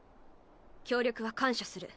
協力は感謝する。